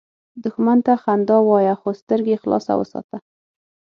دښمن ته خندا وایه، خو سترګې خلاصه وساته